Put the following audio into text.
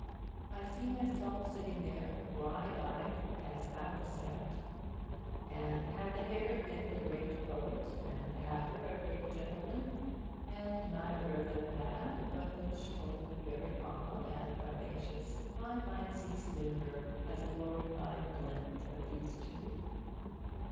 I see myself sitting there wide eyed, as Alice sat. And, had the hare been a great poet, and the hatter a great gentleman, and neither of them mad but each only very odd and vivacious, I might see Swinburne as a glorified blend of those two.